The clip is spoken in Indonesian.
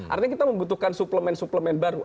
artinya kita membutuhkan suplemen suplemen baru